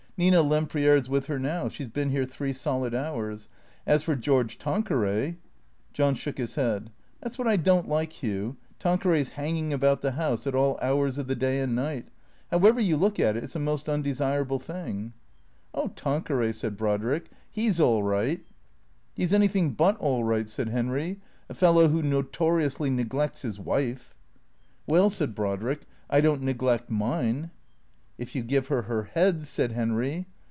Nina Lempriere 's with her now. She 's been here three solid hours. As for George Tanqueray " John shook his head. " That '& what I don't like, Hugh, Tanqueray's hanging about the house at all hours of the day and night. However you look at it, it 's a most undesirable thing." " Oh — Tanqueray," said Brodrick, " he 's all right." " He 's anything but all right," said Henry. " A fellow who notoriously neglects his wife." " Well," said Brodrick, " I don't neglect mine." " If you give her her head," said Henry.